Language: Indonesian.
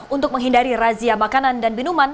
untuk menghindari razia makanan dan minuman